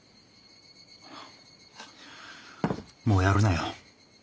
もうやるなよ。